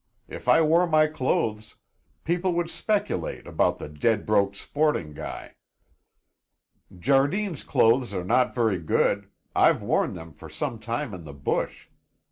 If I wore my clothes, people would speculate about the dead broke sporting guy." "Jardine's clothes are not very good; I've worn them for some time in the bush.